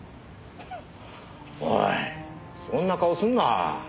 おいそんな顔するな。